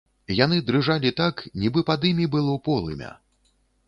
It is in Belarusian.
Яны дрыжалі так, нібы пад імі было полымя.